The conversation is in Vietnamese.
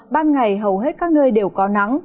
ban ngày hầu hết các nơi đều có nắng